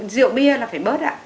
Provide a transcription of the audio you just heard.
rượu bia là phải bớt ạ